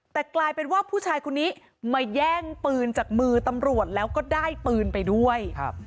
แต่กลายเป็นว่าผู้ชายคนนี้มาแย่งปืนจากมือตำรวจแล้วก็ได้ปืนไปด้วย